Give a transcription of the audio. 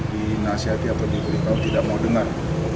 dinasihati apa yang diberikan tidak mau dengar